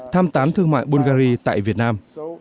tham tán thương mại bulgari tại việt nam